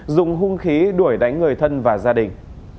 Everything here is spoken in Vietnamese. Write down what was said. đuổi đánh người thân và gia đình